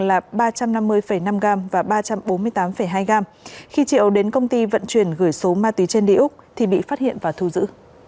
là ba trăm năm mươi năm gram và ba trăm bốn mươi tám hai gram khi triệu đến công ty vận chuyển gửi số ma túy trên địa úc thì bị phát hiện và thu giữ